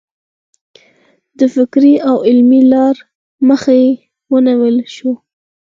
د فکري او علمي لار مخه یې ونه نیول شوه.